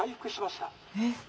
えっ。